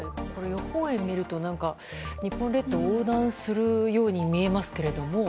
予報円を見ると日本列島を横断するように見えますけれども。